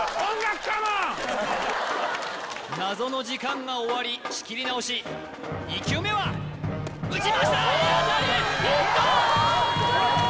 謎の時間が終わり仕切り直し２球目は打ちましたー！